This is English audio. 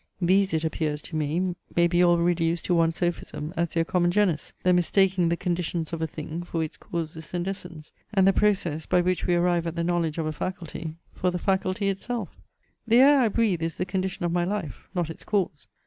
These, it appears to me, may be all reduced to one sophism as their common genus; the mistaking the conditions of a thing for its causes and essence; and the process, by which we arrive at the knowledge of a faculty, for the faculty itself. The air I breathe is the condition of my life, not its cause.